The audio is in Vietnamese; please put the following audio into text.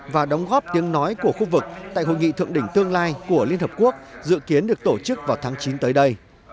và đóng góp tiếng nói của khu vực tại hội nghị thượng đỉnh tương lai của liên hợp quốc dự kiến được tổ chức vào tháng chín tới đây